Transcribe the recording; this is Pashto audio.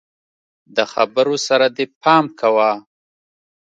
د خبرو سره دي پام کوه!